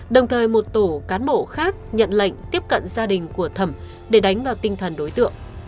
đồng thời một tổ cán bộ khác nhận lệnh tiếp cận gia đình của thẩm để đánh vào tinh thần đối tượng